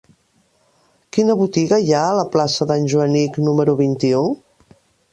Quina botiga hi ha a la plaça d'en Joanic número vint-i-u?